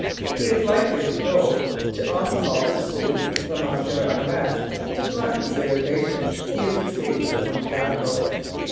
He is likely to go to alcohol to soothe the muscular unrest, to blunt the irritation, he has received from tobacco.